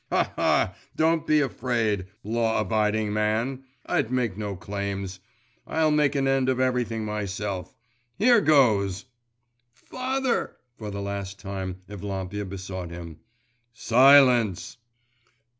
Ha, ha! don't be afraid, law abiding man! I'd make no claims. I'll make an end of everything myself.… Here goes!' 'Father!' for the last time Evlampia besought him. 'Silence!